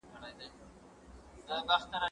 زه به سبا د سبا لپاره د درسونو يادوم!.